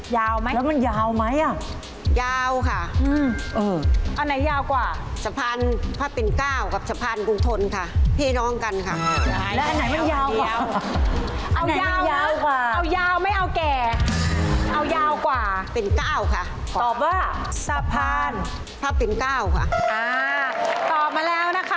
ยาวไหมแล้วมันยาวไหมอ่ะ